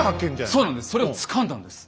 そうなんですそれをつかんだんです！